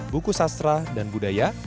buku sastra dan budaya